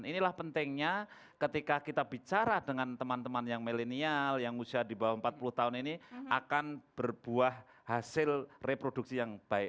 inilah pentingnya ketika kita bicara dengan teman teman yang milenial yang usia di bawah empat puluh tahun ini akan berbuah hasil reproduksi yang baik